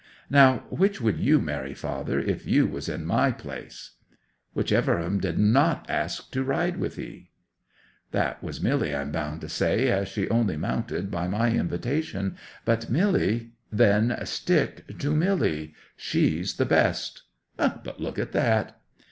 Now which would you marry, father, if you was in my place?" '"Whichever of 'em did not ask to ride with thee." '"That was Milly, I'm bound to say, as she only mounted by my invitation. But Milly—" "Then stick to Milly, she's the best ... But look at that!"